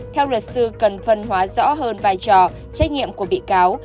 theo luật sư cần phân hóa rõ hơn vai trò trách nhiệm của bị cáo